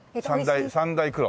三大黒。